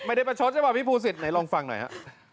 ประชดใช่ป่ะพี่ภูสิทธิไหนลองฟังหน่อยฮะ